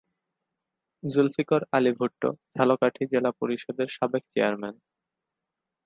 জুলফিকার আলী ভুট্টো ঝালকাঠি জেলা পরিষদের সাবেক চেয়ারম্যান।